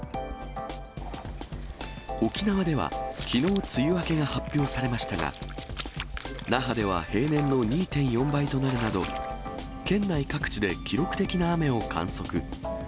沖縄ではきのう梅雨明けが発表されましたが、那覇では平年の２．４倍となるなど、県内各地で記録的な雨を観測。